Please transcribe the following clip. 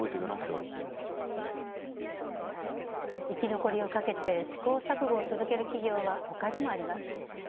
生き残りをかけて試行錯誤を続ける企業はほかにもあります。